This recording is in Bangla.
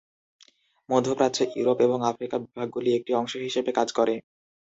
মধ্যপ্রাচ্য, ইউরোপ এবং আফ্রিকা বিভাগগুলি একটি অংশ হিসেবে কাজ করে।